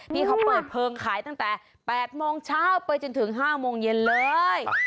ที่เขาเปิดเพลิงขายตั้งแต่๘โมงเช้าไปจนถึง๕โมงเย็นเลย